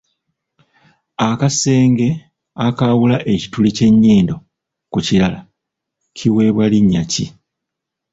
Akasenge akaawula ekituli ky'ennyindo ku kirala kiweebwa linnya ki?